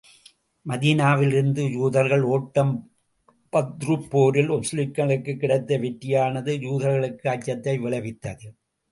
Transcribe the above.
மதீனாவிலிருந்து யூதர்கள் ஓட்டம் பத்ருப் போரில் முஸ்லிம்களுக்குக் கிடைத்த வெற்றியானது யூதர்களுக்கு அச்சத்தை விளைவித்தது.